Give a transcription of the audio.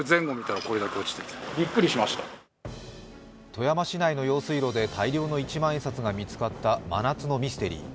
富山市内の用水路で大量の一万円札が見つかった真夏のミステリー。